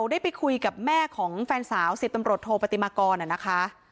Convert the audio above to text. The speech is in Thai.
ได้ไปคุยกับแม่ของแฟนสาว๑๐ตำรวจโทปฏิมากรนะคะ